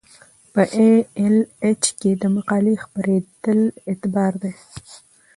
په ای ایل ایچ کې د مقالې خپریدل اعتبار دی.